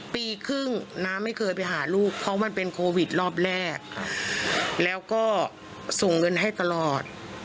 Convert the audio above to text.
ปีครึ่งน้าไม่เคยไปหาลูกเพราะมันเป็นโควิดรอบแรกแล้วก็ส่งเงินให้ตลอด